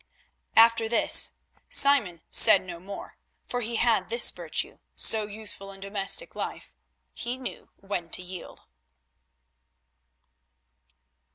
After this Simon said no more, for he had this virtue, so useful in domestic life—he knew when to yield.